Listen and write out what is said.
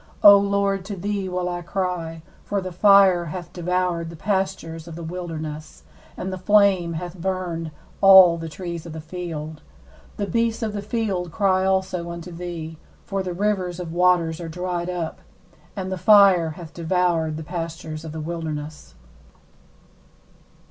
19O Lord, to thee will I cry: for the fire hath devoured the pastures of the wilderness, and the flame hath burned all the trees of the field. 20The beasts of the field cry also unto thee: for the rivers of waters are dried up, and the fire hath devoured the pastures of the wilderness.